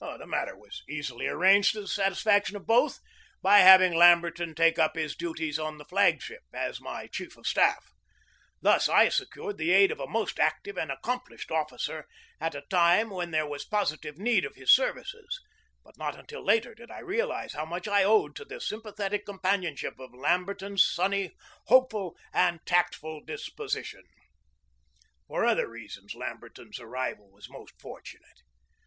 The matter was easily arranged to the satisfac tion of both by having Lamberton take up his duties on the flag ship as my chief of staff. Thus I secured the aid of a most active and accomplished officer at a time when there was positive need of his services ; but not until later did I realize how much I owed to the 194 GEORGE DEWEY sympathetic companionship of Lamberton's sunny, hopeful, and tactful disposition. For other reasons Lamberton's arrival was most fortunate.